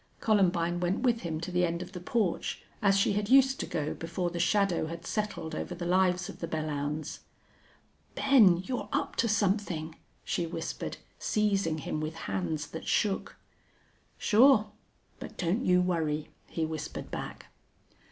Columbine went with him to the end of the porch, as she had used to go before the shadow had settled over the lives of the Belllounds. "Ben, you're up to something," she whispered, seizing him with hands that shook. "Sure. But don't you worry," he whispered back.